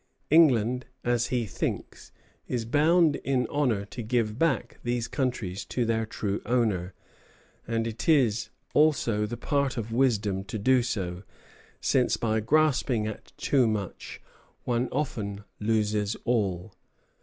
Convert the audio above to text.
"] England, as he thinks, is bound in honor to give back these countries to their true owner; and it is also the part of wisdom to do so, since by grasping at too much, one often loses all.